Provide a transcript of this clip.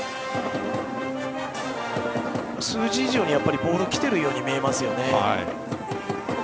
数字以上にボールが来ているように見えますね。